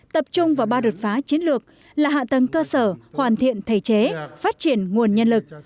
tập trung vào ba đột phá chiến lược là hạ tầng cơ sở hoàn thiện thể chế phát triển nguồn nhân lực